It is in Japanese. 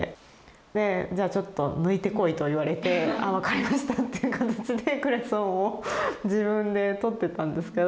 でじゃあちょっと抜いてこいと言われてああ分かりましたっていう形でクレソンを自分でとってたんですけど。